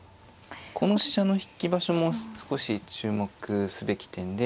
この飛車の引き場所も少し注目すべき点で。